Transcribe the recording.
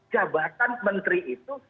jabatan menteri itu